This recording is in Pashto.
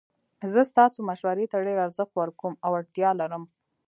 زه ستاسو مشورې ته ډیر ارزښت ورکوم او اړتیا لرم